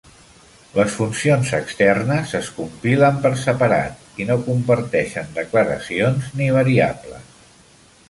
Les funcions externes es compilen per separat i no comparteixen declaracions ni variables.